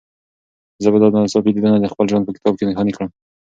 زه به دا ناڅاپي لیدنه د خپل ژوند په کتاب کې نښاني کړم.